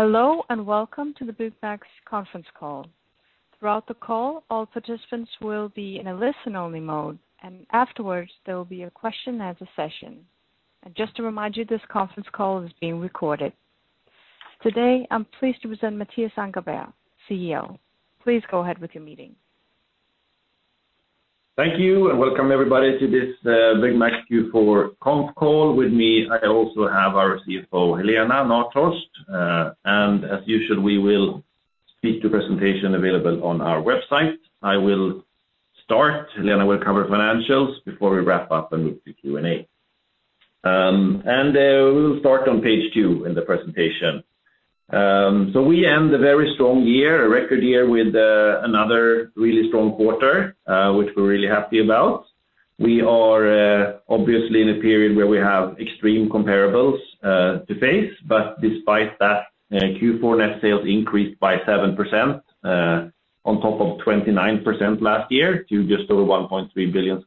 Hello, and welcome to the Byggmax Conference Call. Throughout the call, all participants will be in a listen-only mode, and afterwards, there will be a question and answer session. Just to remind you, this conference call is being recorded. Today, I'm pleased to present Mattias Ankarberg, CEO. Please go ahead with your meeting. Thank you, and welcome everybody to this Byggmax Q4 Conference Call. With me, I also have our CFO, Helena Nathhorst. As usual, we will speak to presentation available on our website. I will start, Helena will cover financials before we wrap up and move to Q&A. We'll start on page two in the presentation. We end a very strong year, a record year with another really strong quarter, which we're really happy about. We are obviously in a period where we have extreme comparables to face, but despite that, Q4 net sales increased by 7% on top of 29% last year to just over 1.3 billion.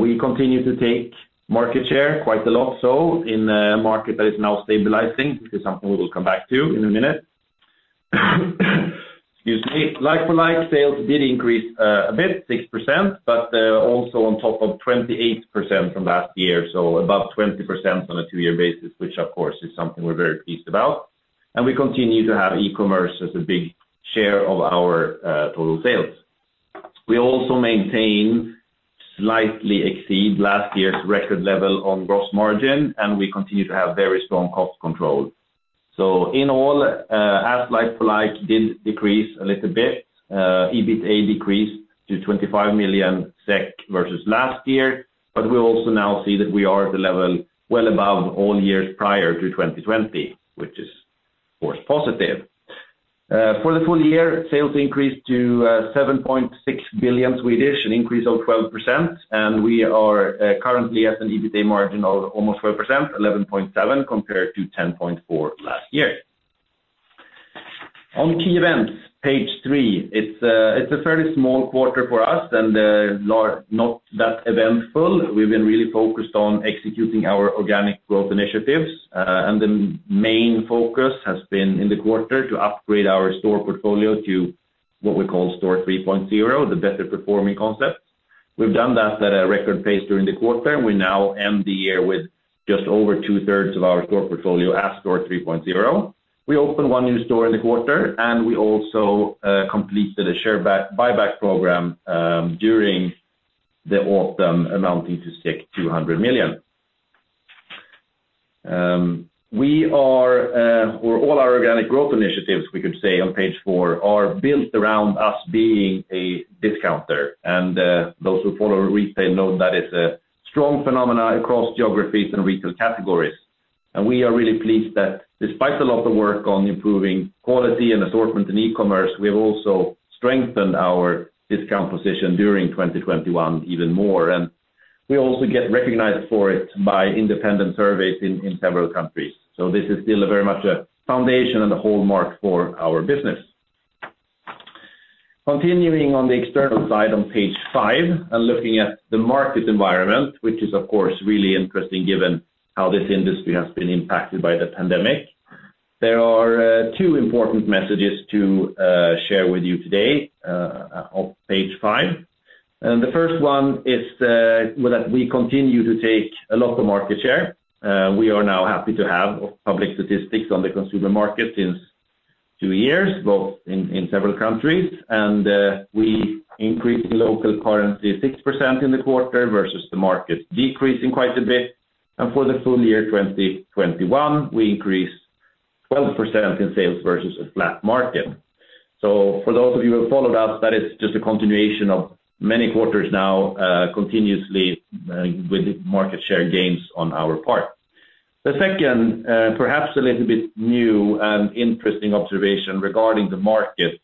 We continue to take market share quite a lot, so in a market that is now stabilizing, which is something we will come back to in a minute. Excuse me. Like-for-like sales did increase a bit, 6%, but also on top of 28% from last year, so about 20% on a two-year basis, which of course is something we're very pleased about. We continue to have e-commerce as a big share of our total sales. We also maintain, slightly exceed last year's record level on gross margin, and we continue to have very strong cost control. In all, like-for-like did decreased a little bit. EBITDA decreased to 25 million SEK versus last year. We also now see that we are at the level well above all years prior to 2020, which is of course positive. For the full year, sales increased to 7.6 billion, an increase of 12%. We are currently at an EBITDA margin of almost 12%, 11.7% compared to 10.4% last year. On key events, page three, it's a fairly small quarter for us and largely not that eventful. We've been really focused on executing our organic growth initiatives. The main focus has been in the quarter to upgrade our store portfolio to what we call Store 3.0, the better performing concept. We've done that at a record pace during the quarter, and we now end the year with just over two-thirds of our store portfolio at Store 3.0. We opened one new store in the quarter, and we also completed a buyback program during the autumn amounting to 200 million. All our organic growth initiatives, we could say on page four, are built around us being a discounter. Those who follow retail know that it's a strong phenomenon across geographies and retail categories. We are really pleased that despite a lot of work on improving quality and assortment in e-commerce, we have also strengthened our discount position during 2021 even more. We also get recognized for it by independent surveys in several countries. This is still very much a foundation and a hallmark for our business. Continuing on the external side on page five and looking at the market environment, which is of course really interesting given how this industry has been impacted by the pandemic. There are two important messages to share with you today on page five. The first one is, well, that we continue to take a lot of market share. We are now happy to have public statistics on the consumer market since two years, both in several countries. We increased local currency 6% in the quarter versus the market decreasing quite a bit. For the full year 2021, we increased 12% in sales versus a flat market. For those of you who followed us, that is just a continuation of many quarters now, continuously, with market share gains on our part. The second, perhaps a little bit new and interesting observation regarding the market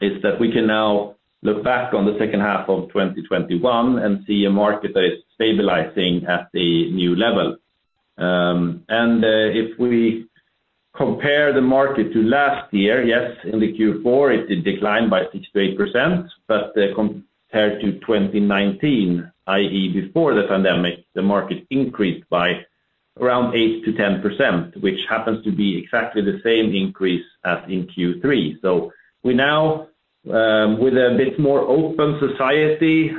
is that we can now look back on the second half of 2021 and see a market that is stabilizing at a new level. If we compare the market to last year, yes, in the Q4, it did decline by 68%. Compared to 2019, i.e., before the pandemic, the market increased by around 8%-10%, which happens to be exactly the same increase as in Q3. We now, with a bit more open society,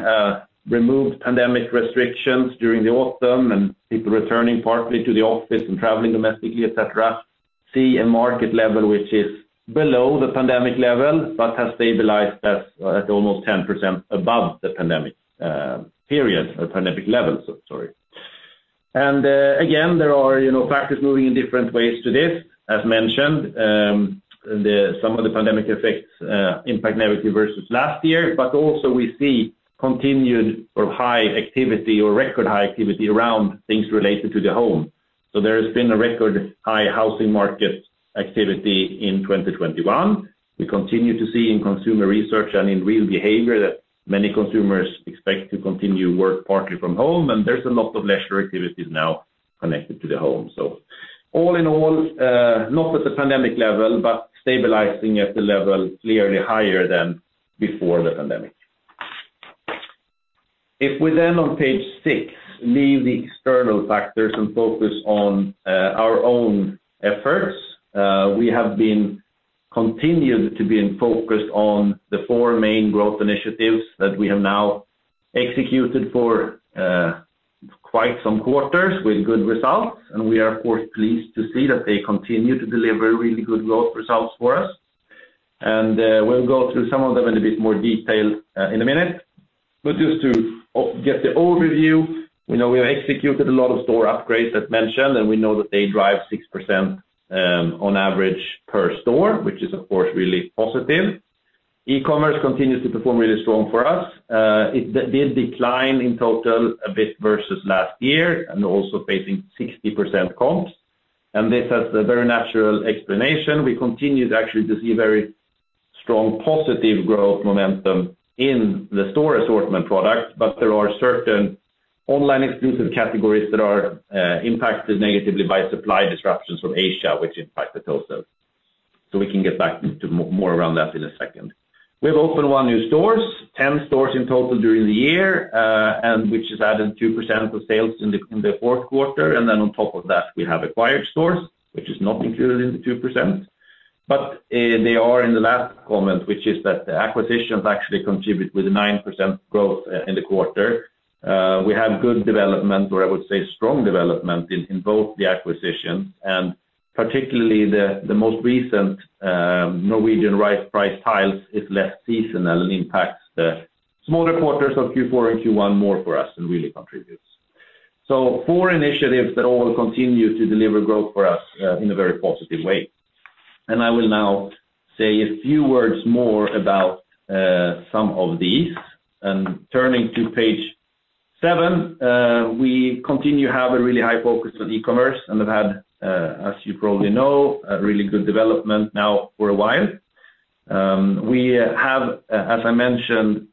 removed pandemic restrictions during the autumn and people returning partly to the office and traveling domestically, et cetera, see a market level which is below the pandemic level, but has stabilized at almost 10% above the pandemic period or pandemic levels, sorry. Again, there are, you know, factors moving in different ways to this. As mentioned, some of the pandemic effects impact negatively versus last year, but also we see continued or high activity or record high activity around things related to the home. There has been a record high housing market activity in 2021. We continue to see in consumer research and in real behavior that many consumers expect to continue work partly from home, and there's a lot of leisure activities now connected to the home. All in all, not at the pandemic level, but stabilizing at a level clearly higher than before the pandemic. If we then on page six, leave the external factors and focus on our own efforts, we have been continued to being focused on the four main growth initiatives that we have now executed for quite some quarters with good results, and we are of course pleased to see that they continue to deliver really good growth results for us. We'll go through some of them in a bit more detail in a minute. Just to get the overview, we know we have executed a lot of store upgrades as mentioned, and we know that they drive 6% on average per store, which is of course really positive. E-commerce continues to perform really strong for us. It did decline in total a bit versus last year and also facing 60% comps. This has a very natural explanation. We continued actually to see very strong positive growth momentum in the store assortment products, but there are certain online exclusive categories that are impacted negatively by supply disruptions from Asia, which impact the total. We can get back to more around that in a second. We have opened one new stores, 10 stores in total during the year, and which has added 2% of the sales in the fourth quarter. Then on top of that, we have acquired stores, which is not included in the 2%. They are in the last comment, which is that the acquisitions actually contribute with 9% growth in the quarter. We have good development, or I would say, strong development in both the acquisitions, and particularly the most recent, Norwegian Right Price Tiles is less seasonal and impacts the smaller quarters of Q4 and Q1 more for us and really contributes. Four initiatives that all continue to deliver growth for us in a very positive way. I will now say a few words more about some of these. Turning to page seven, we continue to have a really high focus on e-commerce and have had, as you probably know, a really good development now for a while. As I mentioned,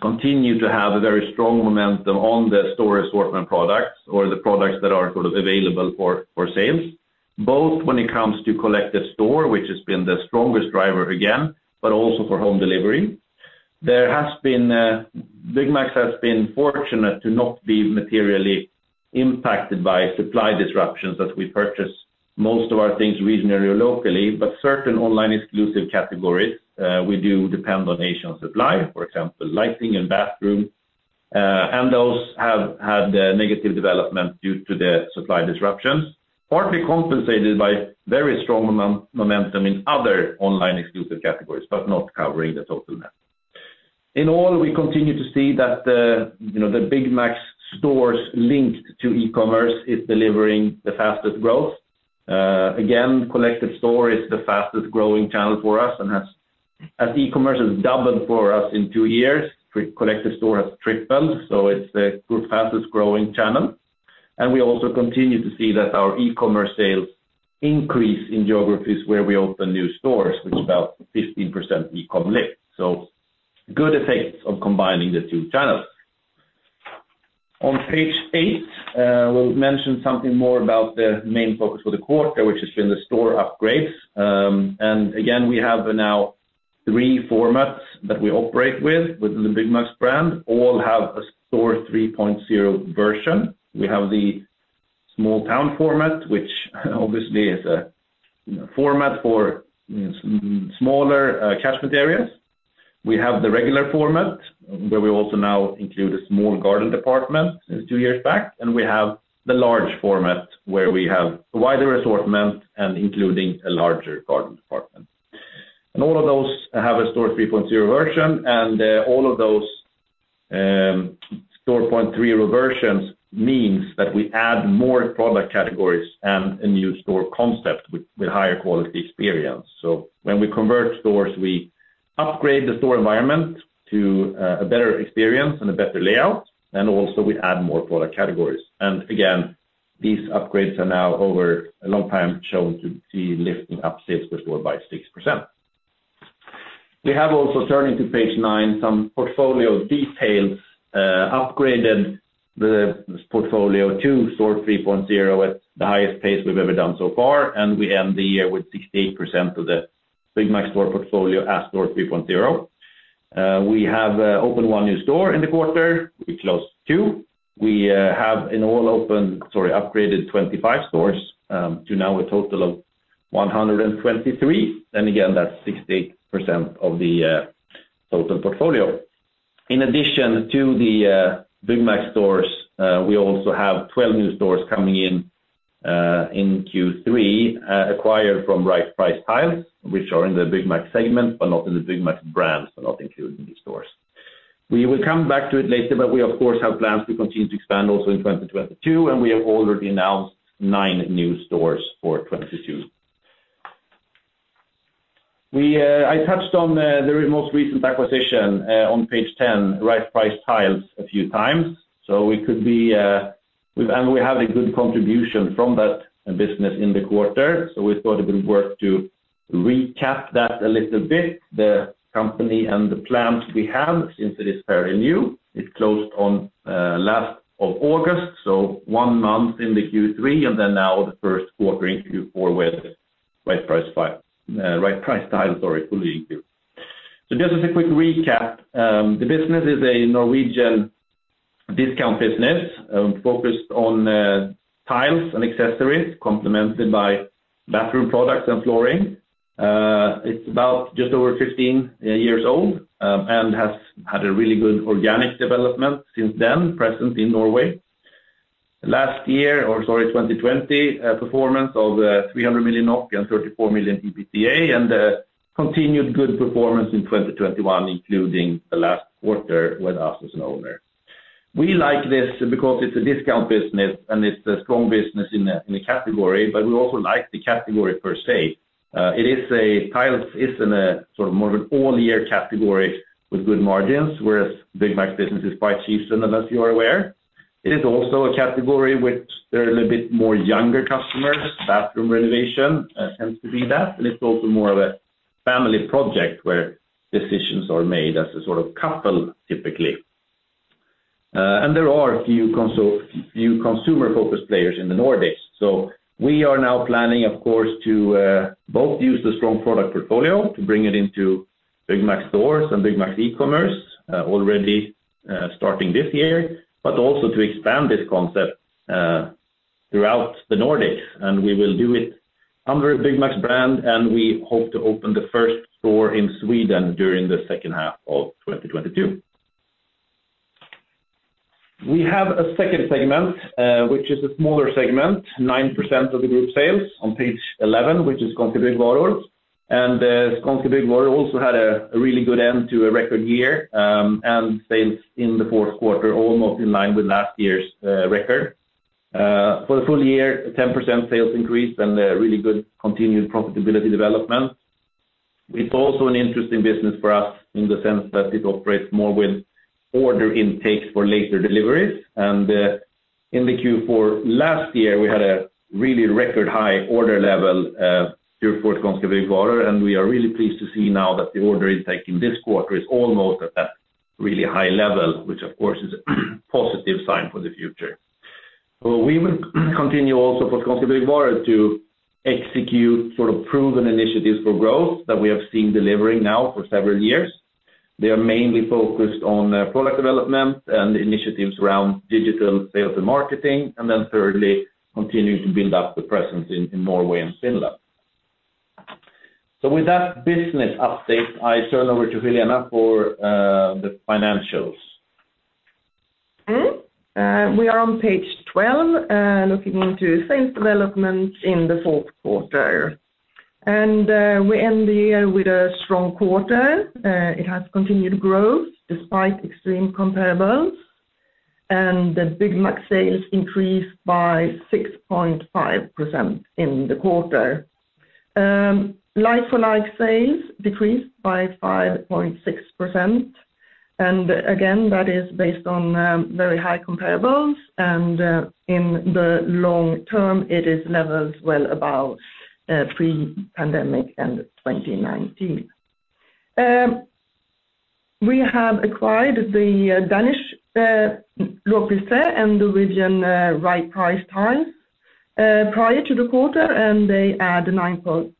continued to have a very strong momentum on the store assortment products or the products that are sort of available for sales, both when it comes to collect in-store, which has been the strongest driver again, but also for home delivery. Byggmax has been fortunate to not be materially impacted by supply disruptions as we purchase most of our things regionally or locally, but certain online exclusive categories, we do depend on Asian supply, for example, lighting and bathroom, and those have had a negative development due to the supply disruptions, partly compensated by very strong momentum in other online exclusive categories, but not covering the total net. In all, we continue to see that the, you know, the Byggmax stores linked to e-commerce is delivering the fastest growth. Again, collect in-store is the fastest growing channel for us and has, as e-commerce has doubled for us in two collect in-store has tripled, so it's the group's fastest growing channel. We also continue to see that our e-commerce sales increase in geographies where we open new stores with about 15% e-com lift. Good effects of combining the two channels. On page eight, we'll mention something more about the main focus for the quarter, which has been the store upgrades. Again, we have now three formats that we operate with within the Byggmax brand, all have a Store 3.0 version. We have the small town format, which obviously is a format for, you know, smaller catchment areas. We have the regular format, where we also now include a small garden department since two years back. We have the large format where we have a wider assortment including a larger garden department. All of those have a Store 3.0 version, and all of those Store 3.0 versions means that we add more product categories and a new store concept with higher quality experience. When we convert stores, we upgrade the store environment to a better experience and a better layout. We also add more product categories. Again, these upgrades are now over a long time shown to see lifting up sales before by 6%. We have also, turning to page nine, some portfolio details, upgraded the portfolio to Store 3.0 at the highest pace we've ever done so far. We end the year with 68% of the Byggmax store portfolio as Store 3.0. We have opened one new store in the quarter. We closed two. We have upgraded 25 stores to now a total of 123. Again, that's 68% of the total portfolio. In addition to the Byggmax stores, we also have 12 new stores coming in, in Q3, acquired from Right Price Tiles, which are in the Byggmax segment, but not in the Byggmax brand, so not included in these stores. We will come back to it later, but we of course have plans to continue to expand also in 2022, and we have already announced nine new stores for 2022. I touched on the most recent acquisition on page 10, Right Price Tiles a few times. We have a good contribution from that business in the quarter. It's going to be worth to recap that a little bit, the company and the plans we have since it is fairly new. It closed on last of August, so one month in the Q3, and then now the first quarter into Q4 with Right Price Tiles, sorry, fully included. Just as a quick recap, the business is a Norwegian discount business, focused on tiles and accessories complemented by bathroom products and flooring. It's about just over 15 years old, and has had a really good organic development since then present in Norway. 2020, performance of 300 million NOK and 34 million EBITDA, and continued good performance in 2021, including the last quarter with us as an owner. We like this because it's a discount business, and it's a strong business in the category, but we also like the category per se. Tiles is in a sort of more of an all year category with good margins, whereas Byggmax business is quite seasonal, as you are aware. It is also a category which there are a little bit more younger customers. Bathroom renovation tends to be that. It's also more of a family project where decisions are made as a sort of couple, typically. There are few consumer-focused players in the Nordics. We are now planning, of course, to both use the strong product portfolio to bring it into Byggmax stores and Byggmax e-commerce, already starting this year, but also to expand this concept throughout the Nordics. We will do it under Byggmax brand, and we hope to open the first store in Sweden during the second half of 2022. We have a second segment, which is a smaller segment, 9% of the group sales on page 11, which is Skånska Byggvaror. Skånska Byggvaror also had a really good end to a record year, and sales in the fourth quarter, almost in line with last year's record. For the full year, a 10% sales increase and a really good continued profitability development. It's also an interesting business for us in the sense that it operates more with order intakes for later deliveries. In the Q4 last year, we had a really record high order level through Skånska Byggvaror, and we are really pleased to see now that the order intake in this quarter is almost at that really high level, which of course is a positive sign for the future. We will continue also for Skånska Byggvaror to execute sort of proven initiatives for growth that we have seen delivering now for several years. They are mainly focused on product development and initiatives around digital sales and marketing, and then thirdly, continuing to build up the presence in Norway and Finland. With that business update, I turn over to Helena for the financials. We are on page 12, looking into sales development in the fourth quarter. We end the year with a strong quarter. It has continued growth despite extreme comparables, and the Byggmax sales increased by 6.5% in the quarter. Like-for-like sales decreased by 5.6%. That is based on very high comparables. In the long term, it is leveled well above pre-pandemic and 2019. We have acquired the Danish Næstved Lavpris Træ and the Norwegian Right Price Tiles prior to the quarter, and they add 9.6%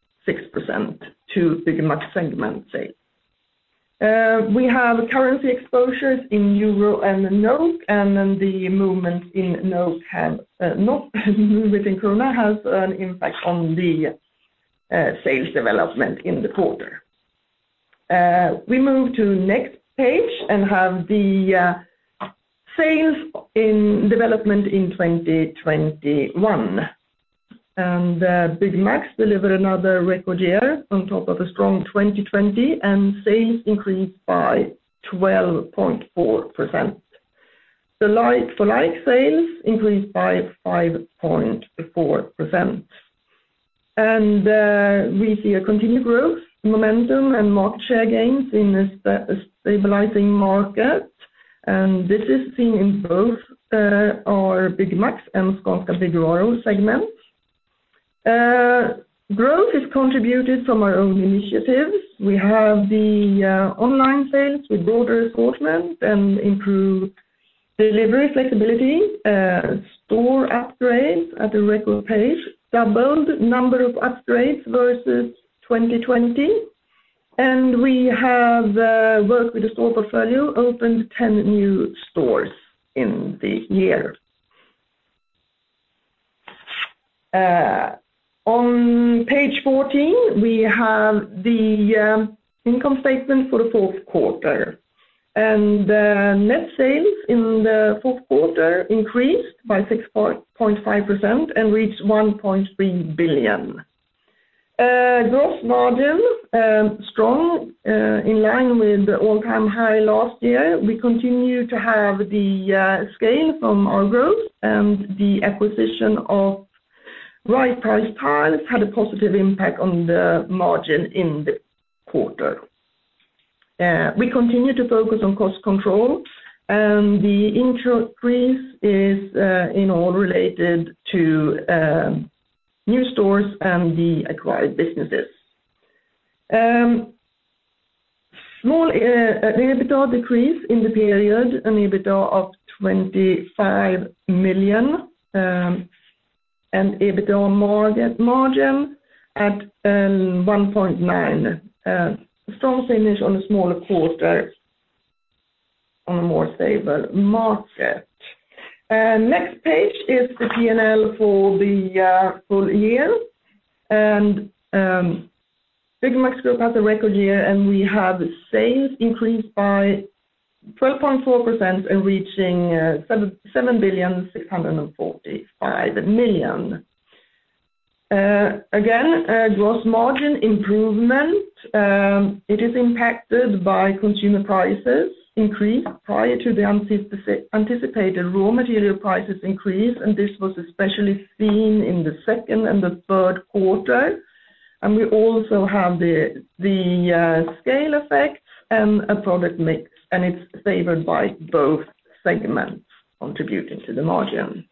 to Byggmax segment sales. We have currency exposures in euro and the NOK, and then the movement in NOK and krona has an impact on the sales development in the quarter. We move to next page and have the sales development in 2021. Byggmax delivered another record year on top of a strong 2020, and sales increased by 12.4%. The like-for-like sales increased by 5.4%. We see continued growth, momentum, and market share gains in a stabilizing market. This is seen in both our Byggmax and Skånska Byggvaror segments. Growth is contributed from our own initiatives. We have the online sales with broader assortment and improved delivery flexibility, store upgrades at a record pace, doubled number of upgrades versus 2020. We have worked with the store portfolio, opened 10 new stores in the year. On page 14, we have the income statement for the fourth quarter. Net sales in the fourth quarter increased by 6.5% and reached 1.3 billion. Gross margin strong, in line with all-time high last year. We continue to have the scale from our growth and the acquisition of Right Price Tiles had a positive impact on the margin in the quarter. We continue to focus on cost control and the increase is all related to new stores and the acquired businesses. Small decrease in the EBITDA in the period, an EBITDA of 25 million, and EBITDA margin at 1.9%. Strong finish on a smaller quarter on a more stable market. Next page is the P&L for the full year and Byggmax Group has a record year, and we have sales increased by 12.4% and reaching 7,645 million. Again, a gross margin improvement. It is impacted by consumer price increases prior to the anticipated raw material price increases, and this was especially seen in the second and the third quarter. We also have the scale effect and a product mix, and it's favored by both segments contributing to the margin.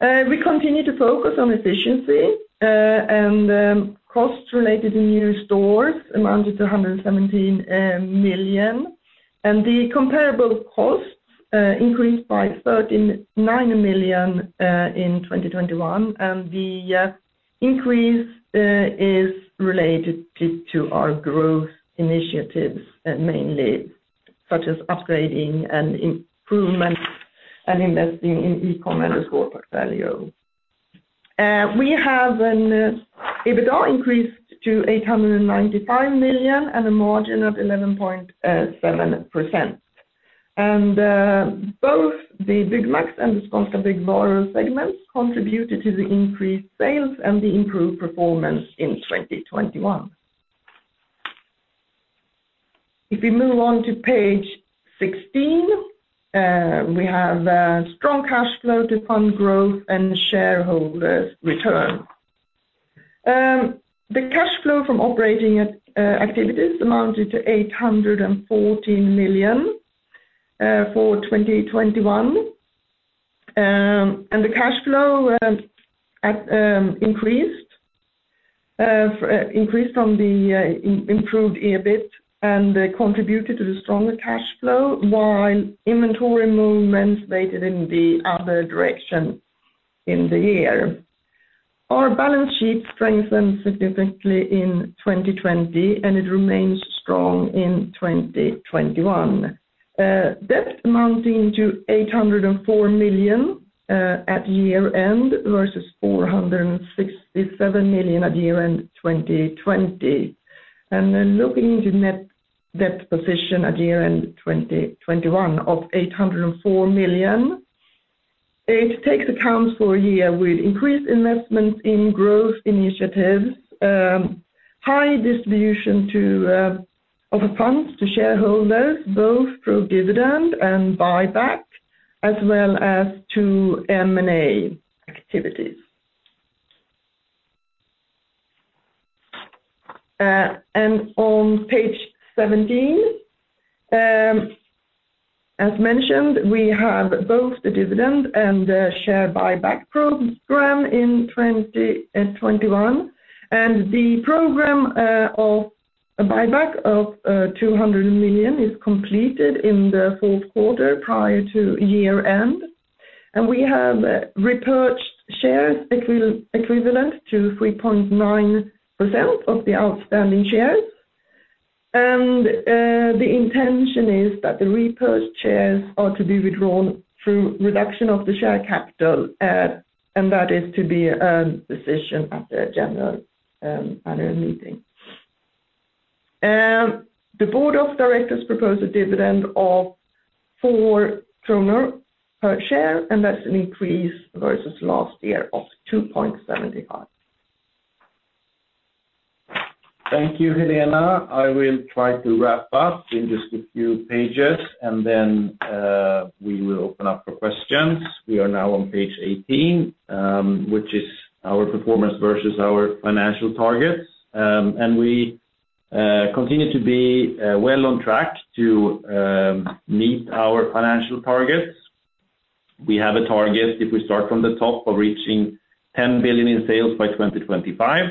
We continue to focus on efficiency, and costs related to new stores amounted to 117 million. Comparable costs increased by 39 million in 2021, and the increase is related to our growth initiatives mainly, such as upgrading and improvement and investing in e-com and the store portfolio. We have EBITDA increased to 895 million and a margin of 11.7%. Both the Byggmax and the Skånska Byggvaror segments contributed to the increased sales and the improved performance in 2021. If we move on to page 16, we have strong cash flow driven growth and shareholders return. The cash flow from operating activities amounted to 814 million for 2021. The cash flow increased on the improved EBIT and contributed to the stronger cash flow, while inventory movements weighed in the other direction in the year. Our balance sheet strengthened significantly in 2020, and it remains strong in 2021. Debt amounting to 804 million at year-end versus 467 million at year-end 2020. Looking at the net debt position at year-end 2021 of 804 million, it takes account for a year with increased investments in growth initiatives, high distribution of funds to shareholders, both through dividend and buyback, as well as to M&A activities. On page 17, as mentioned, we have both the dividend and share buyback program in 2021. The program of a buyback of 200 million is completed in the fourth quarter prior to year-end. We have repurchased shares equivalent to 3.9% of the outstanding shares. The intention is that the repurchased shares are to be withdrawn through reduction of the share capital, and that is to be decided at the general annual meeting. The Board of Directors propose a dividend of 4 kronor per share, and that's an increase versus last year of 2.75. Thank you, Helena. I will try to wrap up in just a few pages and then we will open up for questions. We are now on page 18, which is our performance versus our financial targets. We continue to be well on track to meet our financial targets. We have a target, if we start from the top, of reaching 10 billion in sales by 2025.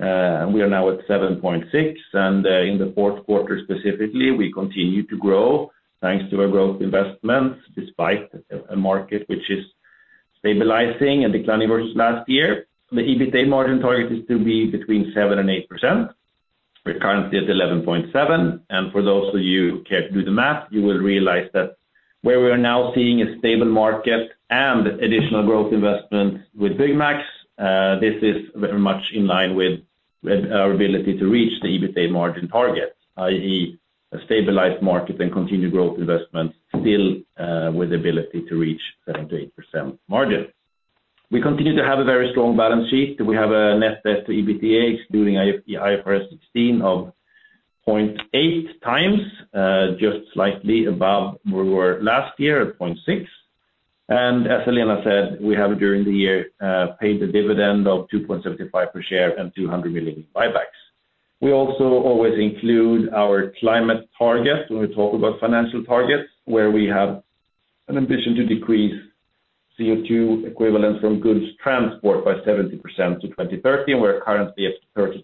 We are now at 7.6 billion. In the fourth quarter specifically, we continue to grow thanks to our growth investments, despite a market which is stabilizing and declining versus last year. The EBITA margin target is to be between 7%-8%. We're currently at 11.7%. For those of you who care to do the math, you will realize that where we are now seeing a stable market and additional growth investment with Byggmax, this is very much in line with our ability to reach the EBITA margin target, i.e., a stabilized market and continued growth investment still, with ability to reach 7%-8% margin. We continue to have a very strong balance sheet. We have a net debt to EBITA excluding IFRS 16 of 0.8x, just slightly above where we were last year at 0.6. As Helena said, we have during the year paid a dividend of 2.75 per share and 200 million buybacks. We also always include our climate target when we talk about financial targets, where we have an ambition to decrease CO2 equivalent from goods transport by 70% to 2030. We're currently at 32%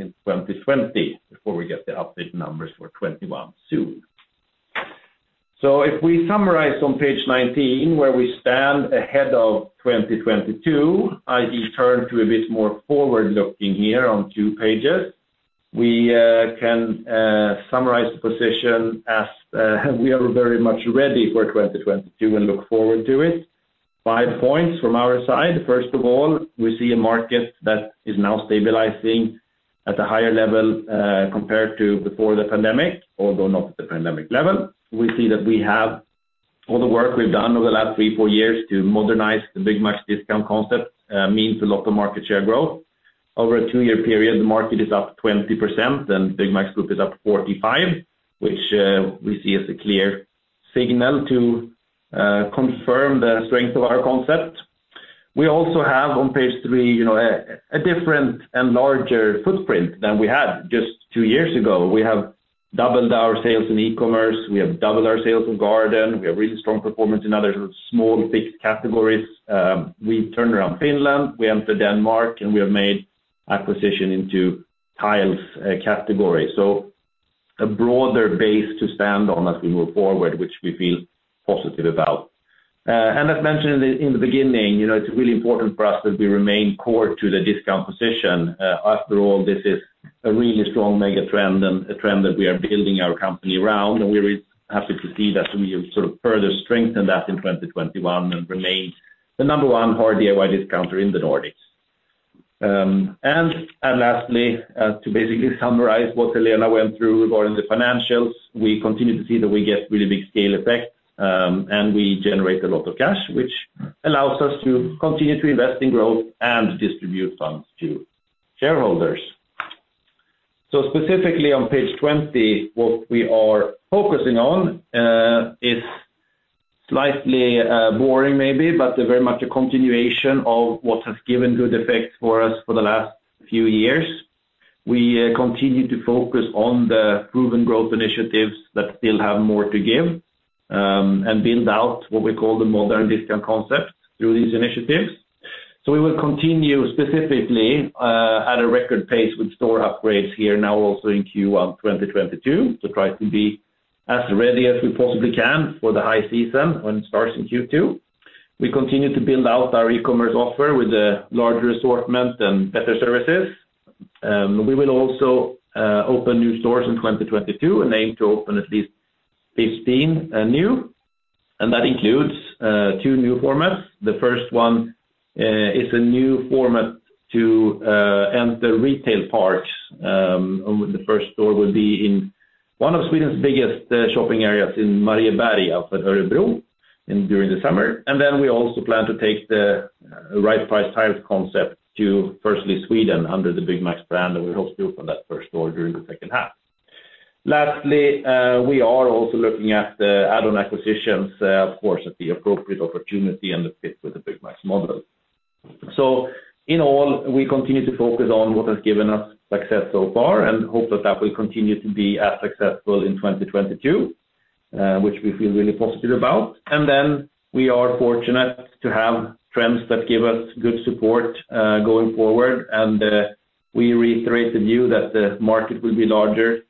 in 2020 before we get the updated numbers for 2021 soon. If we summarize on page 19 where we stand ahead of 2022, I return to a bit more forward-looking here on two pages. We can summarize the position as we are very much ready for 2022 and look forward to it. Five points from our side. First of all, we see a market that is now stabilizing at a higher level compared to before the pandemic, although not at the pandemic level. We see that we have all the work we've done over the last three, four years to modernize the Byggmax discount concept means a lot of market share growth. Over a two-year period, the market is up 20% and Byggmax Group is up 45%, which we see as a clear signal to confirm the strength of our concept. We also have on page three, you know, a different and larger footprint than we had just two years ago. We have doubled our sales in e-commerce. We have doubled our sales in Garden. We have really strong performance in other small ticket categories. We turned around Finland, we entered Denmark, and we have made acquisition into tiles category. A broader base to stand on as we move forward, which we feel positive about. As mentioned in the beginning, you know, it's really important for us that we remain core to the discount position. After all, this is a really strong mega trend and a trend that we are building our company around, and we're happy to see that we have sort of further strengthened that in 2021 and remained the number one hard DIY discounter in the Nordics. Lastly, to basically summarize what Helena went through regarding the financials, we continue to see that we get really big scale effect, and we generate a lot of cash, which allows us to continue to invest in growth and distribute funds to shareholders. Specifically on page 20, what we are focusing on is slightly boring maybe, but very much a continuation of what has given good effects for us for the last few years. We continue to focus on the proven growth initiatives that still have more to give and build out what we call the modern discount concept through these initiatives. We will continue specifically at a record pace with store upgrades here now also in Q1 2022 to try to be as ready as we possibly can for the high season when it starts in Q2. We continue to build out our e-commerce offer with a larger assortment and better services. We will also open new stores in 2022 and aim to open at least 15 new. That includes two new formats. The first one is a new format to enter retail parks. The first store will be in one of Sweden's biggest shopping areas in Marieberg of Örebro and during the summer. Then we also plan to take the Right Price Tiles concept to firstly Sweden under the Byggmax brand, and we hope to open that first store during the second half. Lastly, we are also looking at add-on acquisitions, of course, at the appropriate opportunity and that fit with the Byggmax model. In all, we continue to focus on what has given us success so far and hope that that will continue to be as successful in 2022, which we feel really positive about. Then we are fortunate to have trends that give us good support going forward. We reiterate the view that the market will be larger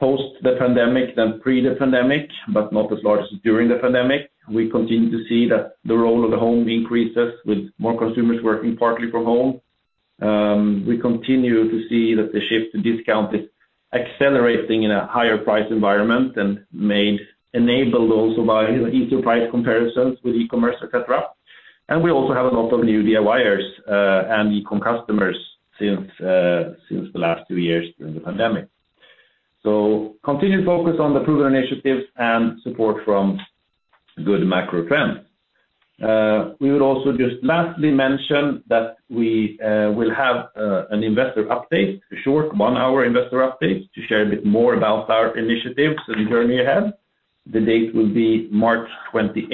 post the pandemic than pre the pandemic, but not as large as during the pandemic. We continue to see that the role of the home increases with more consumers working partly from home. We continue to see that the shift to discount is accelerating in a higher price environment and made enabled also by easy price comparisons with e-commerce, et cetera. We also have a lot of new DIYers and e-com customers since the last two years during the pandemic. Continued focus on the proven initiatives and support from good macro trends. We would also just lastly mention that we will have an investor update, a short one-hour investor update to share a bit more about our initiatives and the journey ahead. The date will be March 28,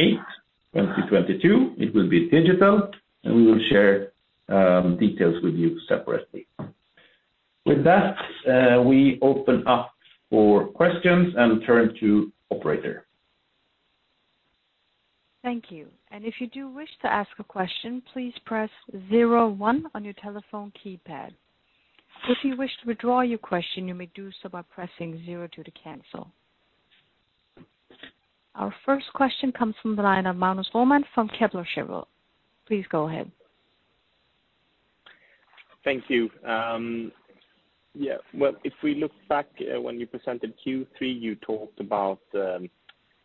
2022. It will be digital, and we will share details with you separately. With that, we open up for questions and turn to operator. Thank you. If you do wish to ask a question, please press zero one on your telephone keypad. If you wish to withdraw your question, you may do so by pressing zero two to cancel. Our first question comes from the line of Magnus Råman from Kepler Cheuvreux. Please go ahead. Thank you. If we look back when you presented Q3, you talked about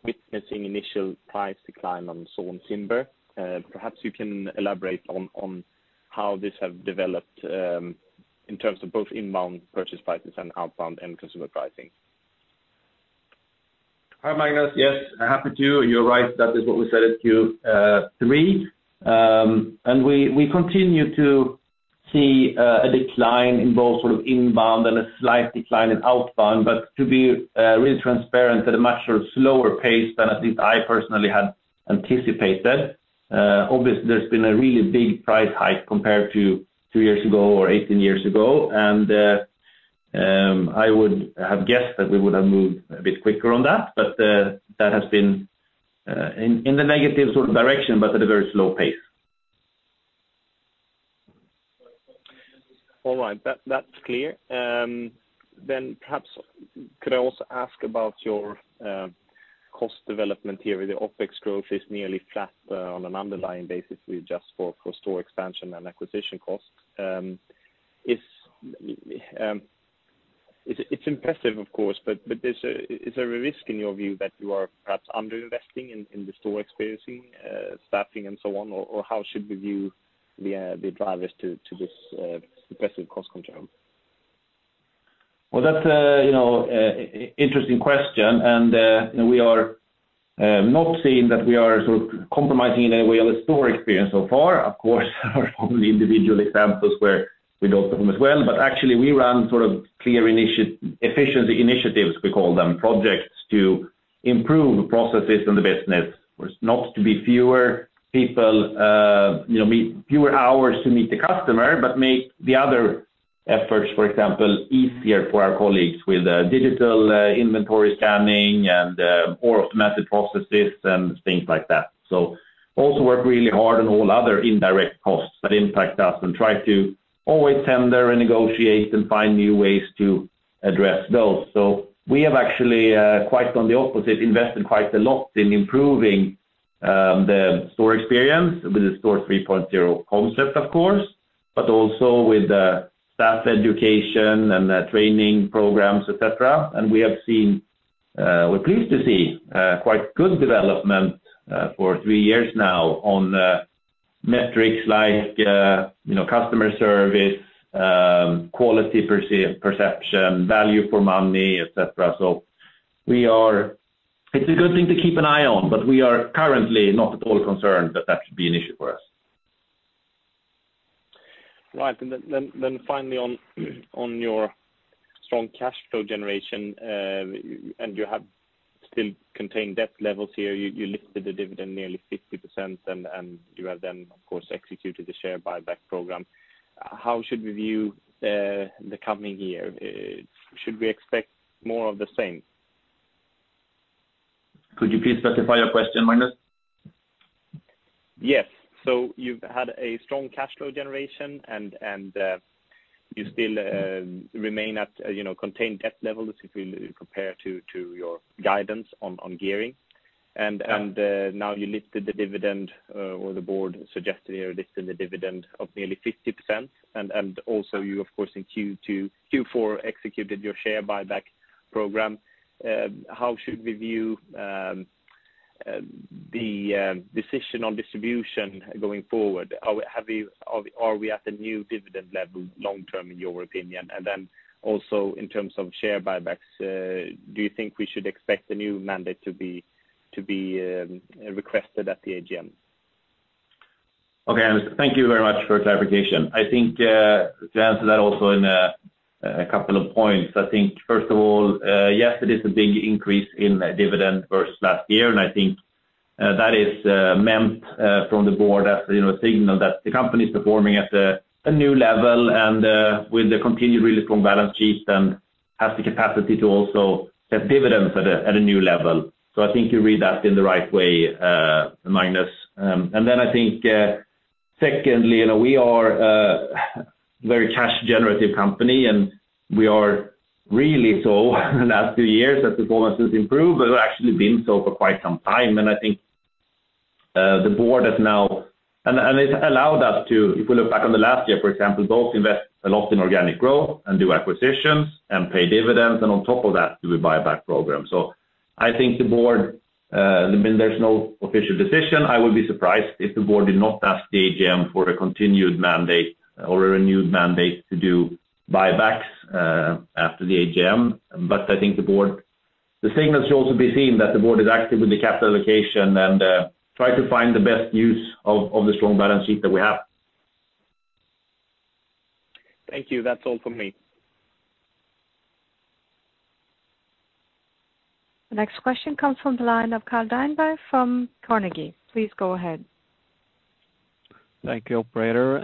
witnessing initial price decline on sawn timber. Perhaps you can elaborate on how this have developed in terms of both inbound purchase prices and outbound and consumer pricing. Hi, Magnus. Yes, happy to. You're right. That is what we said at Q3. We continue to see a decline in both sort of inbound and a slight decline in outbound. To be really transparent at a much sort of slower pace than at least I personally had anticipated. Obviously, there's been a really big price hike compared to two years ago or 18 years ago. I would have guessed that we would have moved a bit quicker on that, but that has been in the negative sort of direction, but at a very slow pace. All right. That's clear. Perhaps could I also ask about your cost development here? The OpEx growth is nearly flat on an underlying basis with just for store expansion and acquisition costs. It's impressive, of course, but is there a risk in your view that you are perhaps under-investing in the store experience, staffing and so on? Or how should we view the drivers to this aggressive cost control? Well, that's you know interesting question. You know, we are not seeing that we are sort of compromising in any way on the store experience so far. Of course, there are probably individual examples where we don't perform as well. Actually we run sort of clear efficiency initiatives, we call them, projects to improve processes in the business. Where it's not to be fewer people meet fewer hours to meet the customer, but make the other efforts, for example, easier for our colleagues with digital inventory scanning and more automatic processes and things like that. We also work really hard on all other indirect costs that impact us and try to always tender and negotiate and find new ways to address those. We have actually quite the opposite invested quite a lot in improving the store experience with the Store 3.0 concept, of course, but also with staff education and training programs, et cetera. We have seen we're pleased to see quite good development for three years now on metrics like, you know, customer service, quality perception, value for money, et cetera. We are. It's a good thing to keep an eye on, but we are currently not at all concerned that that should be an issue for us. Right. Then finally on your strong cash flow generation, and you have still contained debt levels here. You lifted the dividend nearly 50% and you have then of course executed the share buyback program. How should we view the coming year? Should we expect more of the same? Could you please specify your question, Magnus? Yes. You've had a strong cash flow generation and you still remain at, you know, contained debt levels if you compare to your guidance on gearing. Now you lifted the dividend or the board suggested you're lifting the dividend of nearly 50%. Also you of course in Q2, Q4 executed your share buyback program. How should we view the decision on distribution going forward? Are we at a new dividend level long term in your opinion? Then also in terms of share buybacks, do you think we should expect a new mandate to be requested at the AGM? Okay. Thank you very much for clarification. I think to answer that also in a couple of points. I think first of all, yes, it is a big increase in dividend versus last year. I think that is meant from the board as, you know, a signal that the company is performing at a new level and with the continued really strong balance sheet and has the capacity to also set dividends at a new level. I think you read that in the right way, Magnus. Then I think secondly, you know, we are a very cash generative company, and we are really so the last few years as performance improves, but we've actually been so for quite some time. I think the board has now It's allowed us to, if we look back on the last year, for example, both invest a lot in organic growth and do acquisitions and pay dividends, and on top of that do a buyback program. I think the board, I mean, there's no official decision. I would be surprised if the board did not ask the AGM for a continued mandate or a renewed mandate to do buybacks after the AGM. I think the board. The signals should also be seen that the board is active with the capital allocation and try to find the best use of the strong balance sheet that we have. Thank you. That's all from me. The next question comes from the line of Carl Deijenberg from Carnegie. Please go ahead. Thank you, operator.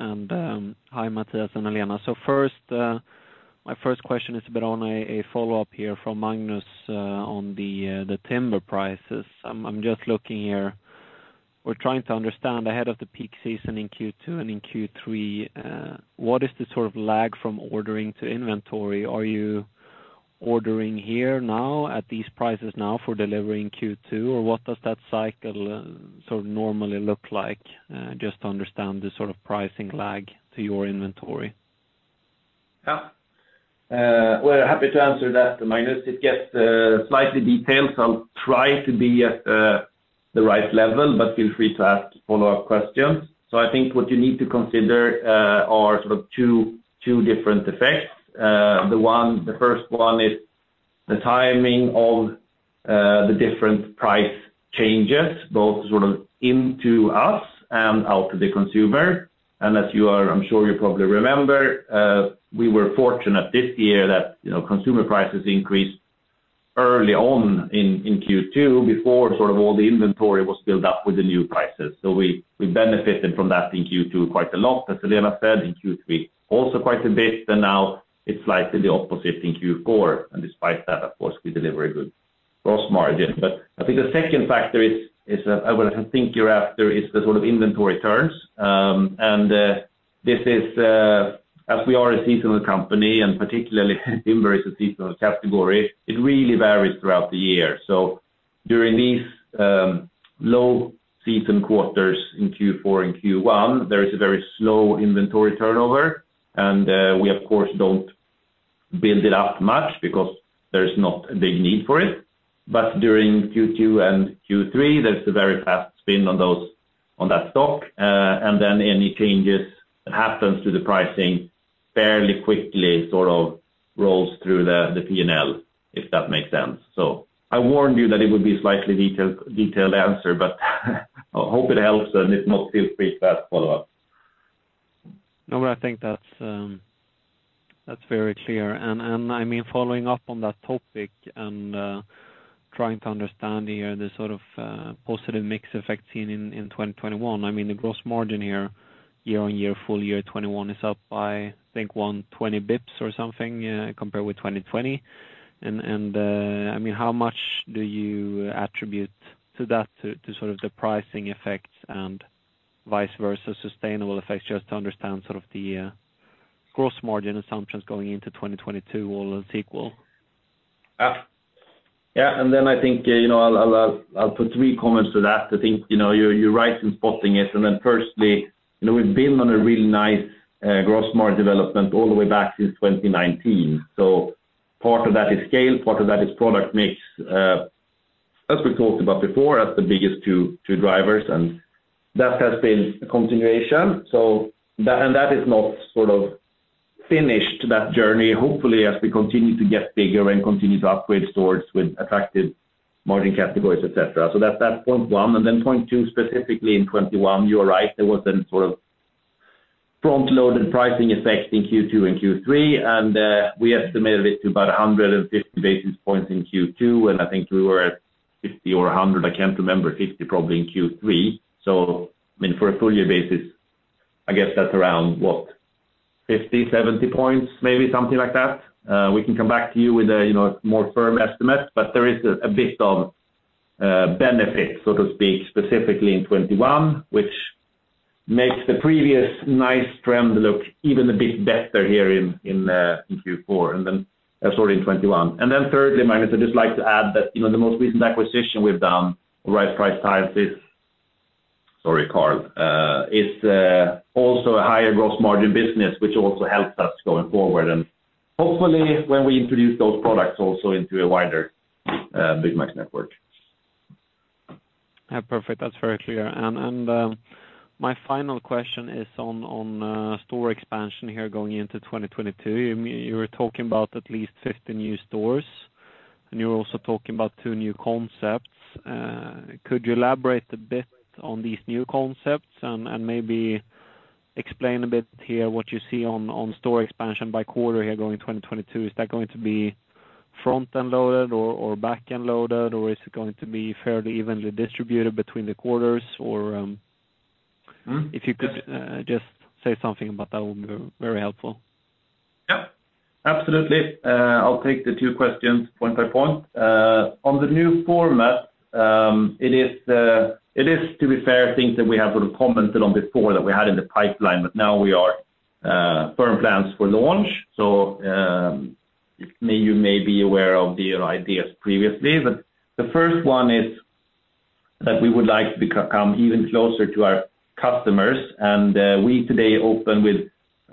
Hi, Mattias and Helena. First, my first question is a bit on a follow-up here from Magnus on the timber prices. I'm just looking here. We're trying to understand ahead of the peak season in Q2 and in Q3 what is the sort of lag from ordering to inventory. Are you ordering here now at these prices now for delivery in Q2? Or what does that cycle sort of normally look like? Just to understand the sort of pricing lag to your inventory. Yeah. We're happy to answer that, Magnus. It gets slightly detailed, so I'll try to be at the right level, but feel free to ask follow-up questions. I think what you need to consider are sort of two different effects. The first one is the timing of the different price changes, both sort of into us and out to the consumer. As you are, I'm sure you probably remember, we were fortunate this year that, you know, consumer prices increased early on in Q2 before sort of all the inventory was built up with the new prices. We benefited from that in Q2 quite a lot, as Helena said in Q3 also quite a bit, and now it's slightly the opposite in Q4. Despite that, of course, we deliver a good gross margin. I think the second factor is what I think you're after is the sort of inventory turns. This is, as we are a seasonal company, and particularly timber is a seasonal category, it really varies throughout the year. During these low season quarters in Q4 and Q1, there is a very slow inventory turnover. We of course don't build it up much because there's not a big need for it. During Q2 and Q3, there's a very fast spin on that stock. Any changes that happens to the pricing fairly quickly sort of rolls through the P&L, if that makes sense. I warned you that it would be a slightly detailed answer, but I hope it helps. If not, feel free to ask follow-up. No, but I think that's very clear. I mean, following up on that topic and trying to understand here the sort of positive mix effect seen in 2021. I mean, the gross margin here year-on-year, full year 2021 is up by, I think, 120 basis points or something, compared with 2020. I mean, how much do you attribute that to sort of the pricing effects and vice versa, sustainable effects? Just to understand sort of the gross margin assumptions going into 2022 all else equal. Yeah. I think, you know, I'll put three comments to that. I think, you know, you're right in spotting it. Firstly, you know, we've been on a really nice gross margin development all the way back since 2019. So part of that is scale, part of that is product mix. As we talked about before, that's the biggest two drivers, and that has been a continuation. So that is not sort of finished that journey, hopefully, as we continue to get bigger and continue to upgrade stores with attractive margin categories, et cetera. So that's point one. Point two, specifically in 2021, you are right, there was then sort of front-loaded pricing effect in Q2 and Q3, and we estimated it to about 150 basis points in Q2, and I think we were at 50 or 100, I can't remember, 50 probably in Q3. I mean, for a full year basis, I guess that's around, what, 50, 70 points, maybe something like that. We can come back to you with a you know, more firm estimate. But there is a bit of benefit, so to speak, specifically in 2021, which makes the previous nice trend look even a bit better here in Q4, and then sorry, in 2021. Thirdly, Magnus, I'd just like to add that, you know, the most recent acquisition we've done, Right Price Tiles is. Sorry, Carl. Also a higher gross margin business, which also helps us going forward. Hopefully when we introduce those products also into a wider Byggmax network. Yeah. Perfect. That's very clear. My final question is on store expansion here going into 2022. You were talking about at least 50 new stores, and you were also talking about two new concepts. Could you elaborate a bit on these new concepts and maybe explain a bit here what you see on store expansion by quarter here going in 2022? Is that going to be front-end loaded or back-end loaded, or is it going to be fairly evenly distributed between the quarters? Mm-hmm. If you could, just say something about that would be very helpful. Yeah. Absolutely. I'll take the two questions point by point. On the new format, it is to be fair things that we have sort of commented on before that we had in the pipeline, but now we have firm plans for launch. You may be aware of the ideas previously, but the first one is that we would like to become even closer to our customers. We today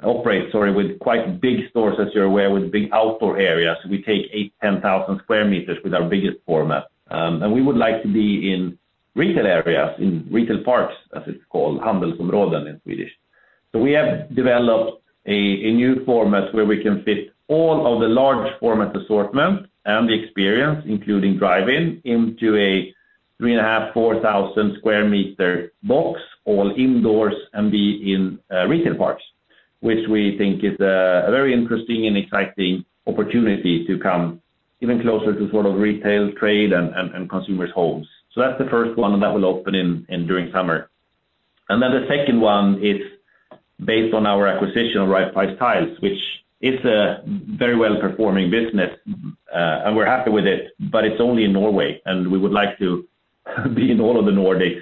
operate, sorry, with quite big stores, as you're aware, with big outdoor areas. We take 8,000-10,000 sq m with our biggest format. We would like to be in retail areas, in retail parks, as it's called, handelsområden in Swedish. We have developed a new format where we can fit all of the large format assortment and the experience, including drive-in, into a 3,500-4,000 sq m box, all indoors, and be in retail parks, which we think is a very interesting and exciting opportunity to come even closer to sort of retail trade and consumers' homes. That's the first one, and that will open during summer. The second one is based on our acquisition of Right Price Tiles, which is a very well-performing business, and we're happy with it, but it's only in Norway, and we would like to be in all of the Nordics.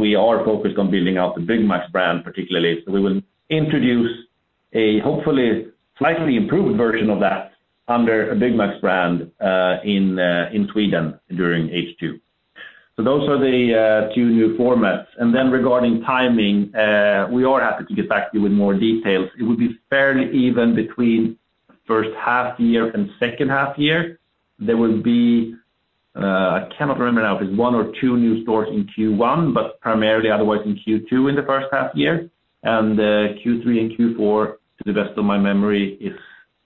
We are focused on building out the Byggmax brand particularly. We will introduce a hopefully slightly improved version of that under a Byggmax brand, in Sweden during H2. Those are the two new formats. Then regarding timing, we are happy to get back to you with more details. It would be fairly even between first half year and second half year. There will be, I cannot remember now if it's one or two new stores in Q1, but primarily otherwise in Q2 in the first half year. Q3 and Q4, to the best of my memory, is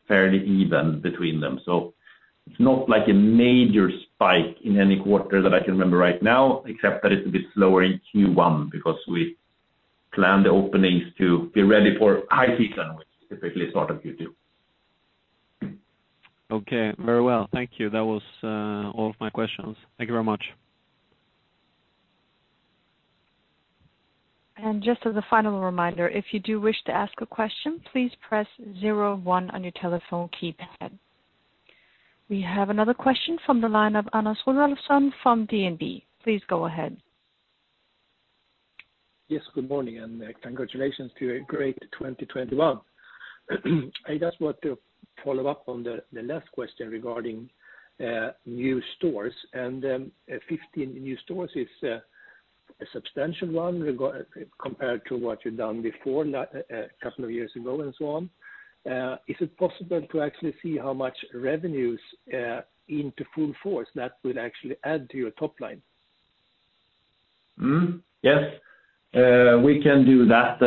fairly even between them. It's not like a major spike in any quarter that I can remember right now, except that it's a bit slower in Q1 because we plan the openings to be ready for high season, which typically is part of Q2. Okay, very well. Thank you. That was all of my questions. Thank you very much. Just as a final reminder, if you do wish to ask a question, please press zero-one on your telephone keypad. We have another question from the line of Anna Sörenson from DNB. Please go ahead. Yes, good morning, congratulations to a great 2021. I just want to follow up on the last question regarding new stores and 15 new stores is a substantial one compared to what you've done before, a couple of years ago and so on. Is it possible to actually see how much revenues into full force that will actually add to your top line? Yes. We can do that.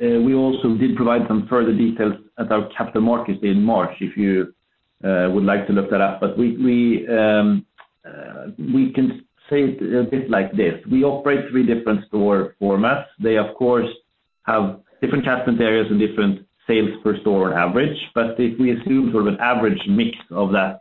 We also did provide some further details at our Capital Markets Day in March, if you would like to look that up. We can say it a bit like this. We operate three different store formats. They of course have different catchment areas and different sales per store average. If we assume sort of an average mix of that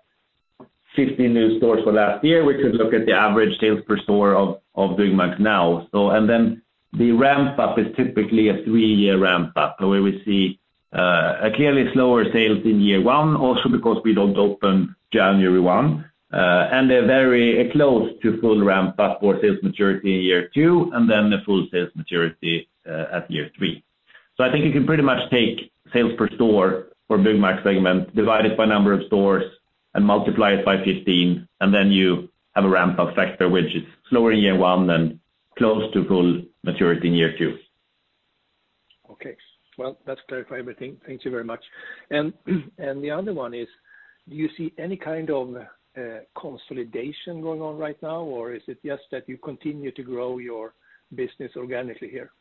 50 new stores for last year, we could look at the average sales per store of Byggmax now. The ramp up is typically a three-year ramp up, where we see a clearly slower sales in year one, also because we don't open January 1, and a very close to full ramp up for sales maturity in year two, and then the full sales maturity at year three. I think you can pretty much take sales per store for Byggmax segment, divide it by number of stores and multiply it by 15, and then you have a ramp up factor which is slower in year one and close to full maturity in year two. Okay. Well, that's clarified everything. Thank you very much. The other one is, do you see any kind of consolidation going on right now, or is it just that you continue to grow your business organically here?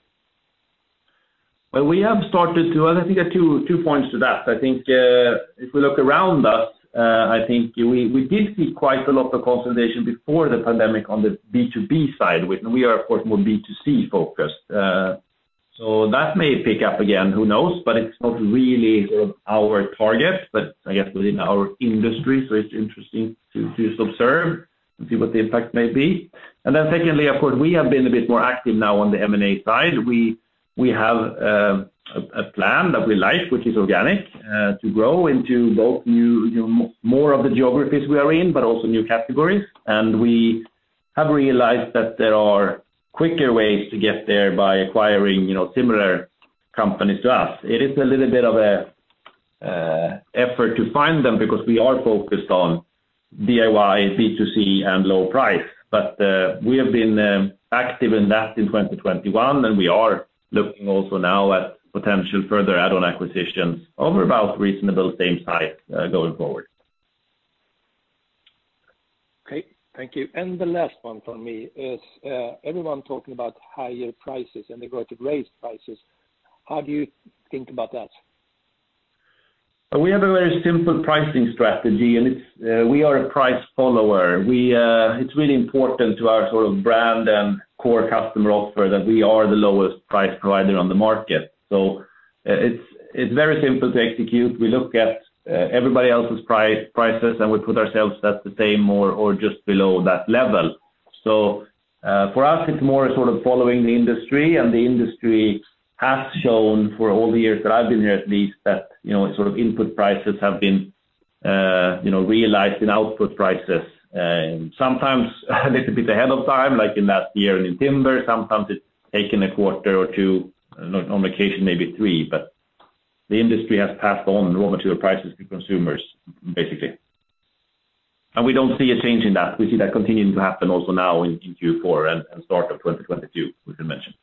Well, we have started to. I think there are two points to that. I think, if we look around us, I think we did see quite a lot of consolidation before the pandemic on the B2B side. We are of course more B2C-focused. That may pick up again, who knows? It's not really sort of our target, but I guess within our industry, so it's interesting to observe and see what the impact may be. Secondly, of course, we have been a bit more active now on the M&A side. We have a plan that we like, which is organic, to grow into both new, you know, more of the geographies we are in, but also new categories. We have realized that there are quicker ways to get there by acquiring, you know, similar companies to us. It is a little bit of an effort to find them because we are focused on DIY, B2C, and low price. We have been active in that in 2021, and we are looking also now at potential further add-on acquisitions of about reasonable same size, going forward. Okay. Thank you. The last one from me is, everyone talking about higher prices and they're going to raise prices. How do you think about that? We have a very simple pricing strategy, and it's we are a price follower. It's really important to our sort of brand and core customer offer that we are the lowest price provider on the market. It's very simple to execute. We look at everybody else's prices, and we put ourselves at the same or just below that level. For us, it's more sort of following the industry, and the industry has shown for all the years that I've been here at least, that you know sort of input prices have been you know realized in output prices, and sometimes a little bit ahead of time, like in last year in timber. Sometimes it's taken a quarter or two, on occasion, maybe three. The industry has passed on raw material prices to consumers, basically. We don't see a change in that. We see that continuing to happen also now in Q4 and start of 2022, we can mention.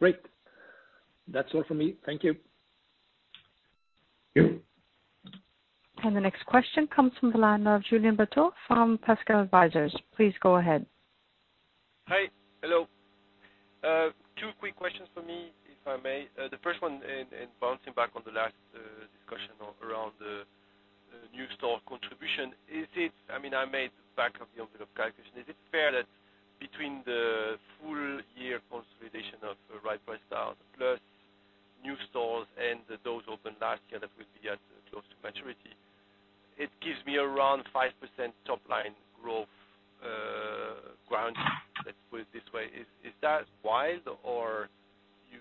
Okay, great. That's all for me. Thank you. Thank you. The next question comes from the line of Julien Batteau from Pascal Advisers. Please go ahead. Hi. Hello. Two quick questions for me, if I may. The first one and bouncing back on the last discussion around the new store contribution. I mean, I made back-of-the-envelope calculation. Is it fair that between the full-year consolidation of Right Price Tiles plus new stores and those opened last year that will be at close to maturity, it gives me around 5% top-line growth, let's put it this way. Is that right, or you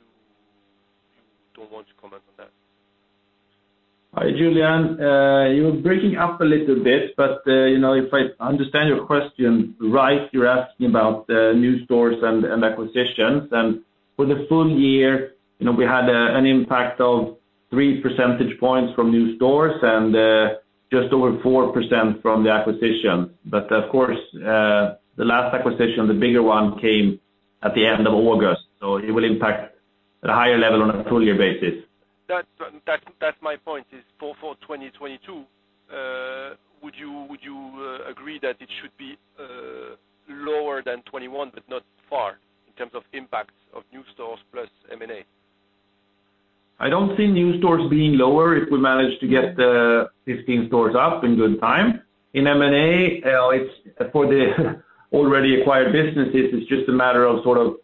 don't want to comment on that? Hi, Julien. You're breaking up a little bit, but you know, if I understand your question right, you're asking about new stores and acquisitions. For the full year, you know, we had an impact of three percentage points from new stores and just over 4% from the acquisition. Of course, the last acquisition, the bigger one, came at the end of August, so it will impact at a higher level on a full year basis. That's my point, is for 2022, would you agree that it should be lower than 2021 but not far in terms of impact of new stores plus M&A? I don't see new stores being lower if we manage to get the 15 stores up in good time. In M&A, it's for the already acquired businesses. It's just a matter of sort of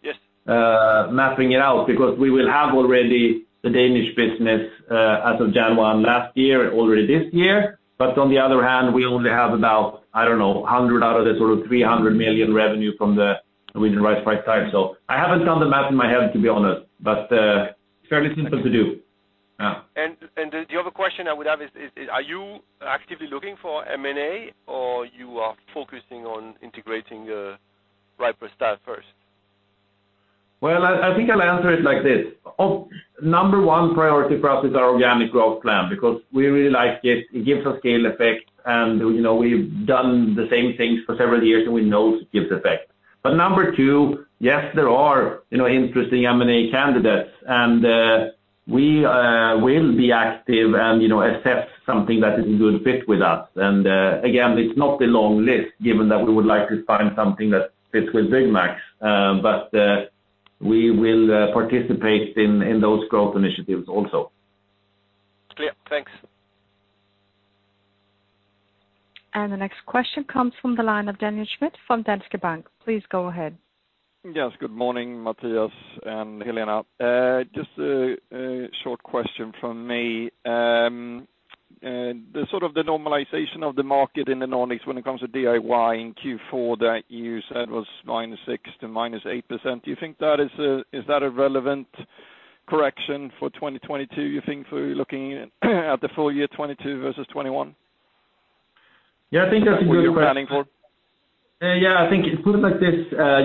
mapping it out because we will have already the Danish business as of January 1 last year and already this year. On the other hand, we only have about, I don't know, 100 out of the sort of 300 million revenue from the regional Right Price Tiles. I haven't done the math in my head, to be honest, but fairly simple to do. Yeah. The other question I would have is are you actively looking for M&A or you are focusing on integrating Right Price Tiles first? Well, I think I'll answer it like this. Number one priority for us is our organic growth plan because we really like it. It gives us scale effect, and, you know, we've done the same things for several years, and we know it gives effect. Number two, yes, there are, you know, interesting M&A candidates, and we will be active and, you know, assess something that is a good fit with us. Again, it's not a long list given that we would like to find something that fits with Byggmax, but we will participate in those growth initiatives also. Clear. Thanks. The next question comes from the line of Daniel Schmidt from Danske Bank. Please go ahead. Yes. Good morning, Mattias and Helena. Just a short question from me. The sort of normalization of the market in the Nordics when it comes to DIY in Q4 that you said was -6% to -8%, do you think that is a relevant correction for 2022, you think, for looking at the full year 2022 versus 2021? Yeah. I think that's a good question. Is that what you're planning for? Yeah. I think put it like this,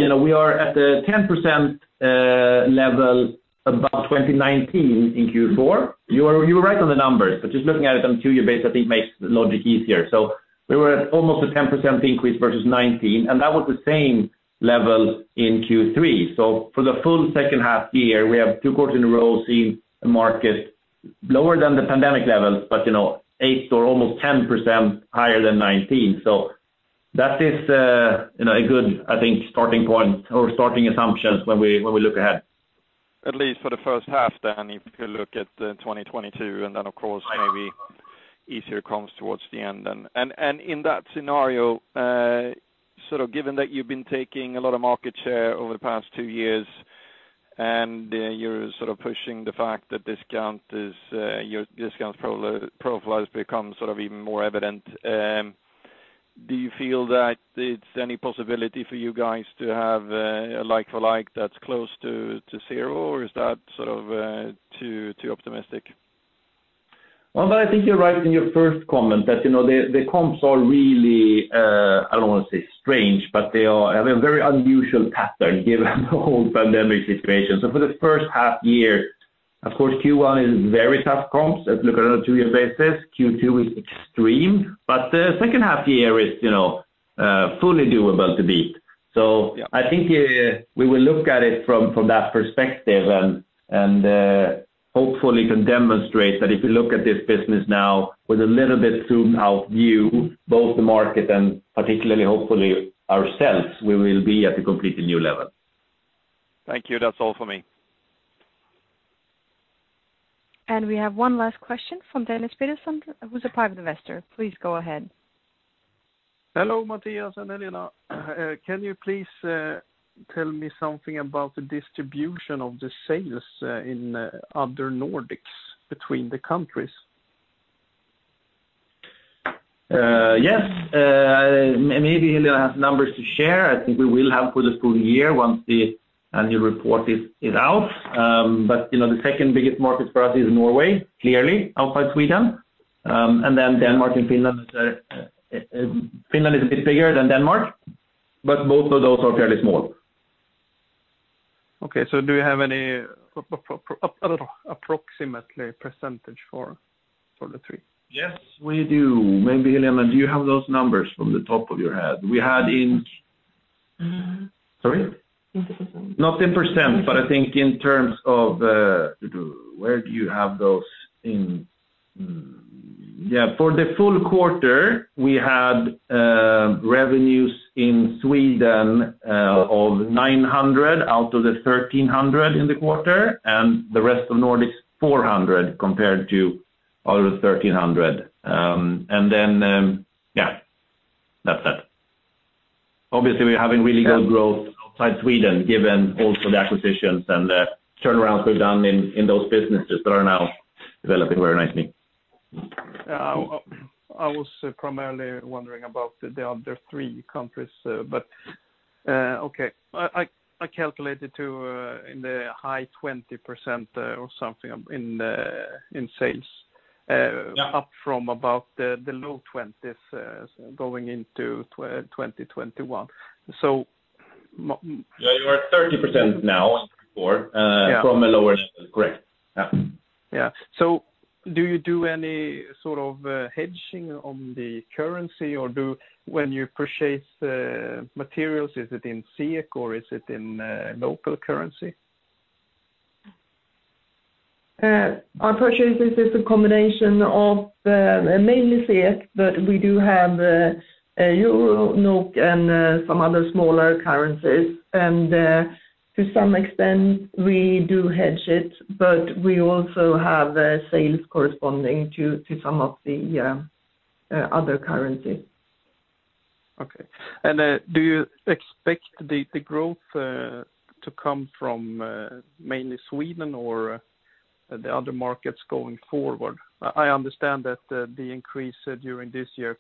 you know, we are at the 10% level above 2019 in Q4. You are right on the numbers, but just looking at it on two-year base, I think makes the logic easier. We were at almost a 10% increase versus 2019, and that was the same level in Q3. For the full second half year, we have two quarters in a row seen the market lower than the pandemic levels, but, you know, 8% or almost 10% higher than 2019. That is, you know, a good, I think, starting point or starting assumptions when we look ahead. At least for the first half then if you look at the 2022, and then of course maybe easier comps towards the end. In that scenario, sort of given that you've been taking a lot of market share over the past two years, and you're sort of pushing the fact that discount is your discount profile has become sort of even more evident, do you feel that it's any possibility for you guys to have a like-for-like that's close to zero, or is that sort of too optimistic? Well, I think you're right in your first comment that, you know, the comps are really, I don't want to say strange, but they have a very unusual pattern given the whole pandemic situation. For the first half year, of course, Q1 is very tough comps if you look at it on a two-year basis. Q2 is extreme, but the second half year is, you know, fully doable to beat. I think we will look at it from that perspective and hopefully can demonstrate that if you look at this business now with a little bit zoomed out view, both the market and particularly hopefully ourselves, we will be at a completely new level. Thank you. That's all for me. We have one last question from Dennis Peterson, who's a private investor. Please go ahead. Hello, Mattias and Helena. Can you please tell me something about the distribution of the sales in other Nordics between the countries? Yes. Maybe Helena has numbers to share. I think we will have for the full year once the annual report is out. You know, the second biggest market for us is Norway, clearly outside Sweden. Denmark and Finland. Finland is a bit bigger than Denmark, but both of those are fairly small. Okay. Do you have any approximately percentage for the three? Yes, we do. Maybe Helena, do you have those numbers from the top of your head? We had in... Mm-hmm. Sorry? In percent. Not in percent, but I think in terms of for the full quarter, we had revenues in Sweden of 900 out of the 1,300 in the quarter, and the rest of Nordics, 400 compared to other 1,300. That's that. Obviously, we're having really good growth outside Sweden, given also the acquisitions and the turnarounds we've done in those businesses that are now developing very nicely. Yeah. I was primarily wondering about the other three countries, but okay. I calculated in the high 20% or something in sales. Yeah. Up from about the low 2020, going into 2021. Yeah. You are at 30% now on Q4, from a lower level. Correct. Yeah. Do you do any sort of hedging on the currency or, when you purchase materials, is it in SEK or is it in local currency? Our purchases is a combination of mainly SEK, but we do have euro, NOK and some other smaller currencies. To some extent, we do hedge it, but we also have sales corresponding to some of the other currency. Okay. Do you expect the growth to come from mainly Sweden or the other markets going forward? I understand that the increase during this year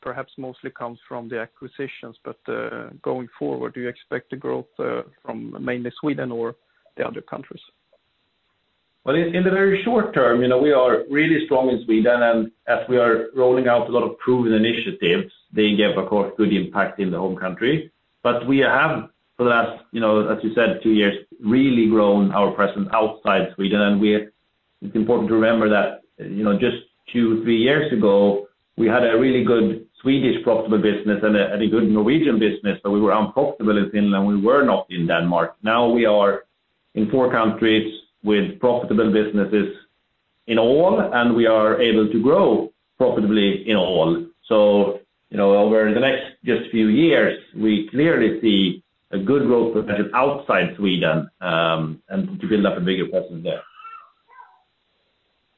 perhaps mostly comes from the acquisitions. Going forward, do you expect the growth from mainly Sweden or the other countries? Well, in the very short term, you know, we are really strong in Sweden, and as we are rolling out a lot of proven initiatives, they give, of course, good impact in the home country. We have for the last, you know, as you said, two years, really grown our presence outside Sweden. It's important to remember that, you know, just two, three years ago, we had a really good Swedish profitable business and a good Norwegian business, but we were unprofitable in Finland, we were not in Denmark. Now we are in four countries with profitable businesses in all, and we are able to grow profitably in all. You know, over the next just few years, we clearly see a good growth potential outside Sweden, and to build up a bigger presence there.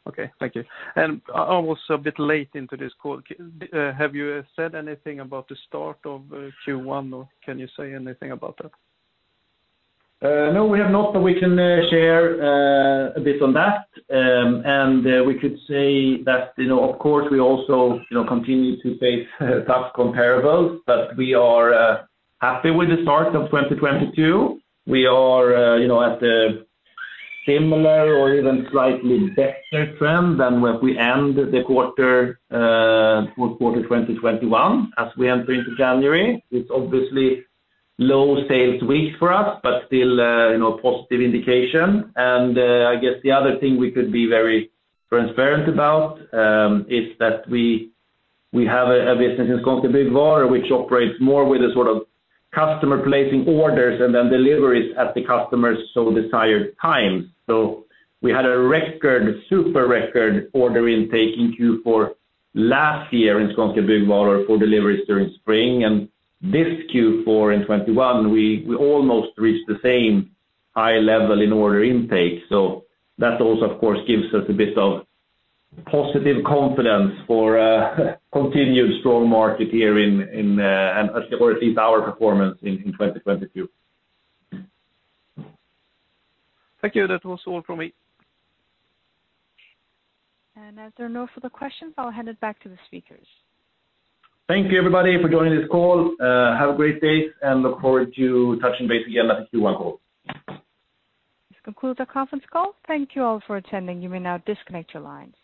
Okay, thank you. I was a bit late into this call. Have you said anything about the start of Q1, or can you say anything about that? No, we have not, but we can share a bit on that. We could say that, you know, of course, we also, you know, continue to face tough comparables, but we are happy with the start of 2022. We are, you know, at the similar or even slightly better trend than when we end the quarter, fourth quarter of 2021 as we enter into January. It's obviously low sales week for us, but still, you know, positive indication. I guess the other thing we could be very transparent about is that we have a business in Skånska Byggvaror, which operates more with a sort of customer placing orders and then deliveries at the customer's so desired time. We had a record, super record order intake in Q4 last year in Skånska Byggvaror for deliveries during spring. This Q4 in 2021, we almost reached the same high level in order intake. That also, of course, gives us a bit of positive confidence for a continued strong market here in or at least our performance in 2022. Thank you. That was all from me. As there are no further questions, I'll hand it back to the speakers. Thank you everybody for joining this call. Have a great day, and look forward to touching base again on the Q1 call. This concludes our conference call. Thank you all for attending. You may now disconnect your lines.